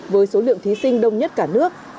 với số lượng thí sinh đông nhất cả nước